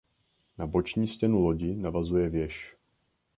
Na boční stěnu lodi navazuje věž.